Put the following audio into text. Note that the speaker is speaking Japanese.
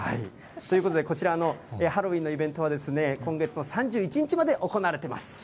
ということで、こちら、ハロウィンのイベントは、今月の３１日まで行われています。